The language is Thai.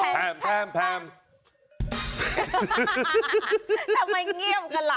ทำไมเงียบกันล่ะ